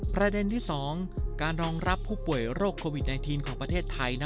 ประเด็นที่๒การรองรับผู้ป่วยโรคโควิด๑๙ของประเทศไทย